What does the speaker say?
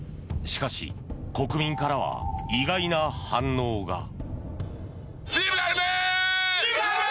しかし、国民からは意外な反応が。